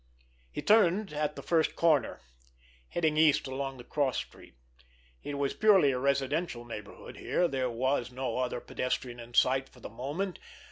He turned at the first corner, heading east along the cross street. It was purely a residential neighborhood here. There was no other pedestrian in sight for the moment.